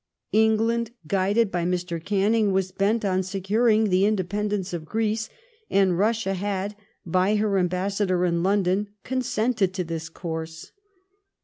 England, guided by Mr. CanninjT, was bent on securing the independence of Greece, and Russia had, by her ambassador in London, consented to this course.